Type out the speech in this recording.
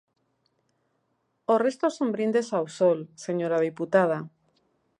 O resto son brindes ao sol, señora deputada.